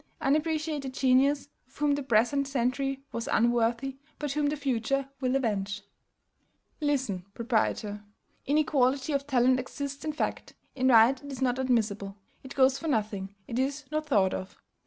Unappreciated genius, of whom the present century was unworthy, but whom the future will avenge! Listen, proprietor. Inequality of talent exists in fact; in right it is not admissible, it goes for nothing, it is not thought of.